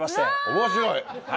面白い！